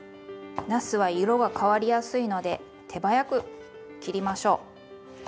なすは色が変わりやすいので手早く切りましょう。